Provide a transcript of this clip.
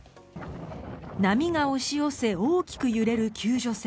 波が押し寄せ大きく揺れる救助船。